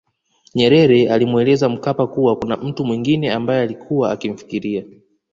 Nyerere alimweleza Mkapa kuwa kuna mtu mwengine ambaye ailikuwa akimfikiria